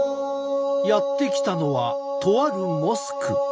やって来たのはとあるモスク。